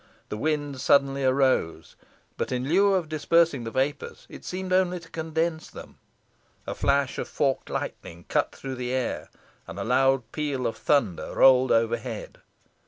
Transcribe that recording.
The wind suddenly arose, but in lieu of dispersing the vapours it seemed only to condense them. A flash of forked lightning cut through the air, and a loud peal of thunder rolled overhead.